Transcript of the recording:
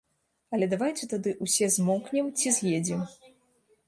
Але давайце тады ўсе змоўкнем ці з'едзем.